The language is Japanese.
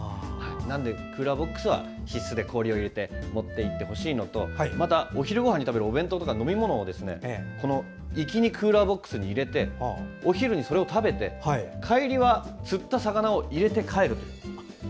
なのでクーラーボックスは必須で持っていってほしいのとまたお昼ごはんに食べるお弁当や飲み物を行きにクーラーボックスに入れてお昼にそれを食べて帰りは釣った魚を入れて帰る。